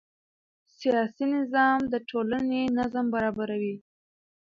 سیاسي نظام د ټولنې نظم برابروي